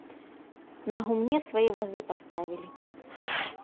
На гумне свае вазы паставілі.